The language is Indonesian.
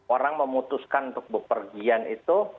orang memutuskan untuk berpergian itu